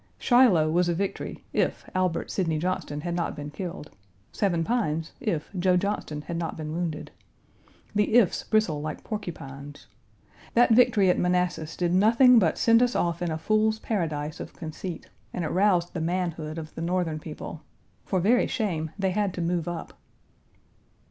Shiloh was a victory if Albert Sidney Johnston had not been killed; Seven Pines if Joe Johnston had not been wounded. The "ifs" bristle like porcupines. That victory at Manassas did nothing but send us off in a fool's paradise of conceit, and it roused the manhood of the Northern people. For very shame they had to move up.